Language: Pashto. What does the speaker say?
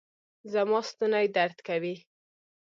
زما ستونی درد کوي